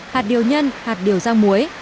hạt điều nhân hạt điều rang muối